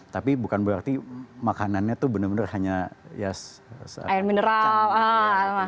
tapi bukan berarti makanannya itu benar benar hanya air mineral